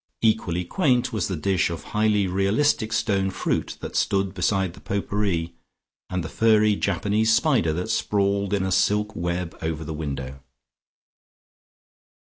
Equally quaint was the dish of highly realistic stone fruit that stood beside the pot pourri and the furry Japanese spider that sprawled in a silk web over the window.